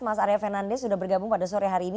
mas arya fernandes sudah bergabung pada sore hari ini